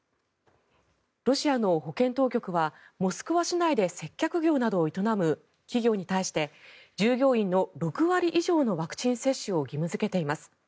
ロシアの保健当局はモスクワ市内で接客業を営む企業に対して従業員の６割以上のワクチン接種を義務付けています。